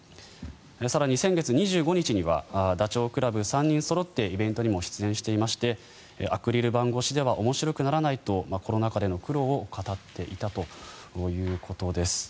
更に先月２５日にはダチョウ倶楽部３人そろってイベントにも出演していましてアクリル板越しでは面白くならないとコロナ禍での苦労を語っていたということです。